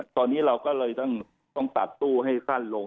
ตอนนี้เราก็เลยต้องตัดตู้ให้สั้นลง